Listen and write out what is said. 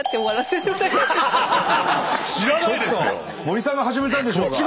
森さんが始めたんでしょうが。